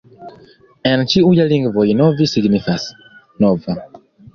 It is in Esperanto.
En ĉiuj lingvoj Novi signifas: nova.